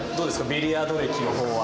ビリヤード歴の方は。